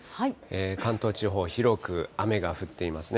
関東地方、広く雨が降っていますね。